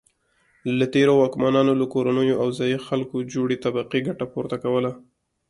له تېرو واکمنانو له کورنیو او ځايي خلکو جوړې طبقې ګټه پورته کوله.